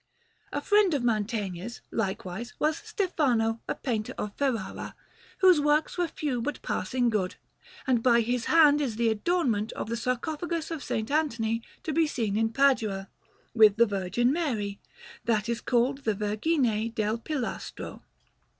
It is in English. A friend of Mantegna's, likewise, was Stefano, a painter of Ferrara, whose works were few but passing good; and by his hand is the adornment of the sarcophagus of S. Anthony to be seen in Padua, with the Virgin Mary, that is called the Vergine del Pilastro.